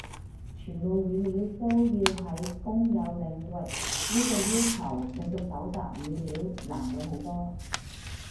全部語料都要喺公有領域呢個要求令到蒐集語料難咗好多。